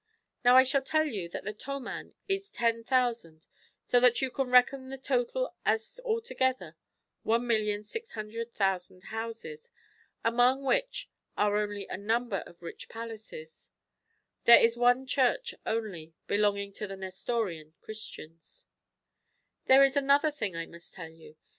Now I should tell you that the toman is 10,000, so that you can reckon the total as altogether 1,600,000 houses, among which are a great number of rich palaces. There is one church only, belonging to the Nestorian Christians.''* There is another thing I must tell you.